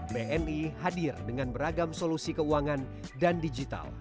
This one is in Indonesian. bni hadir dengan beragam solusi keuangan dan digital